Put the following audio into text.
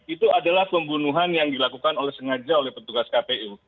itu adalah pembunuhan yang dilakukan oleh sengaja oleh petugas kpu